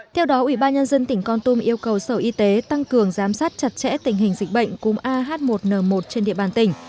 theo đó ubnd tỉnh con tum yêu cầu sở y tế tăng cường giám sát chặt chẽ tình hình dịch bệnh cúm ah một n một trên địa bàn tỉnh